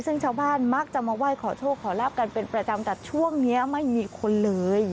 ซึ่งชาวบ้านมักจะมาไหว้ขอโชคขอลาบกันเป็นประจำแต่ช่วงนี้ไม่มีคนเลย